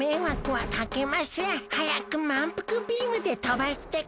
はやくまんぷくビームでとばしてください。